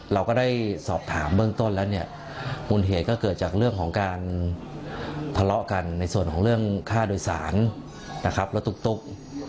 เราก็ได้สอบถามเบื้องต้นแล้วเนี่ยมูลเหตุก็เกิดจากเรื่องของการทะเลาะกันในส่วนของเรื่องค่าโดยสารนะครับรถตุ๊ก